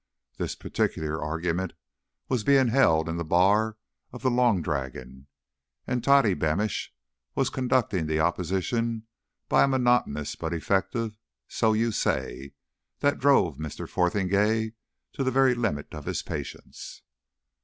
This particular argument was being held in the bar of the Long Dragon, and Toddy Beamish was conducting the opposition by a monotonous but effective "So you say," that drove Mr. Fotheringay to the very limit of his patience.